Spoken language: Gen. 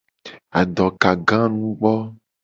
Adokaganugbo.